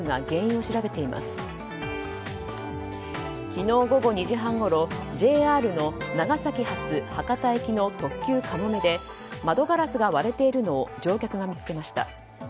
昨日午後２時半ごろＪＲの長崎発博多行きの「特急かもめ」で窓ガラスが割れているのを乗客が見つけました。